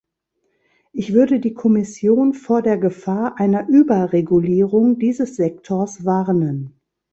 Ich würde die Kommission vor der Gefahr einer Überregulierung dieses Sektors warnen.